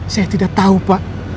saya tidak tahu pak